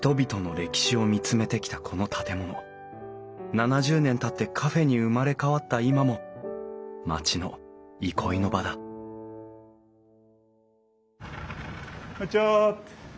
７０年たってカフェに生まれ変わった今も町の憩いの場だこんにちは！